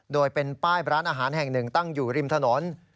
โดยเป็นป้ายร้านอาหารแห่งหนึ่งตั้งอยู่ริมถนน